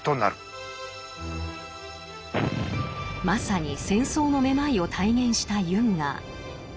まさに「戦争の眩暈」を体現したユンガー。